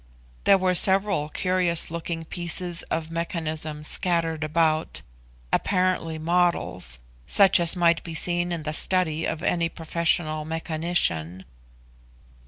There were several curious looking pieces of mechanism scattered about, apparently models, such as might be seen in the study of any professional mechanician.